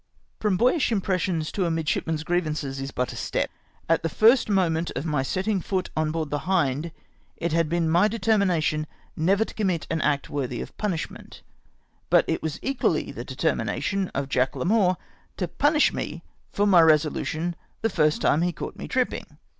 From boyish impressions to a midshipman's griev ances is but a step. At the first moment of my setting foot on board the Hind it had been my determination never to commit an act worthy of punishment ; but it was equally the determination of Jack Larmour to punish me for my resolution the first time he caught me trip ping.